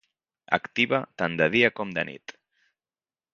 Activa tant de dia com de nit.